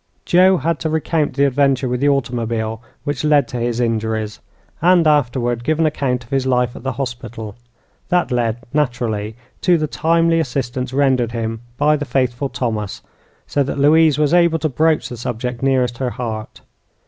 Joe had to recount the adventure with the automobile, which led to his injuries, and afterward give an account of his life at the hospital. That led, naturally, to the timely assistance rendered him by the faithful Thomas, so that Louise was able to broach the subject nearest her heart.